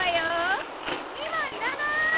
今いらない。